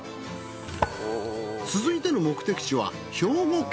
続いての目的地は兵庫県。